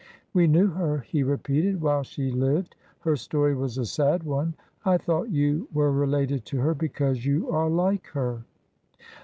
"We knew her," he repeated, "while she lived. Her story was a sad one. I thought you were related to her because you are like her."